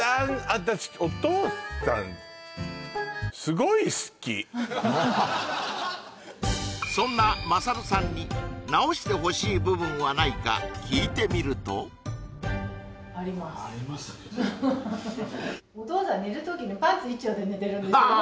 私そんなまさるさんに直してほしい部分はないか聞いてみるとはーっ！